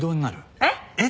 えっ？